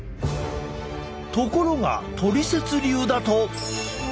ところがトリセツ流だと。